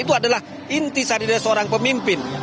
itu adalah inti seharian dari seorang pemimpin